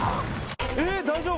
えっ大丈夫？